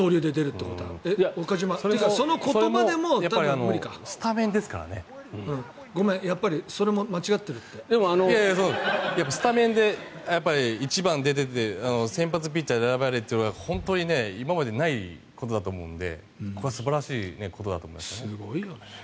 いやいや、そんなことはスタメンで１番で出て先発ピッチャーで選ばれてというのは本当に今までにないことだと思うのでこれは素晴らしいことだと思います。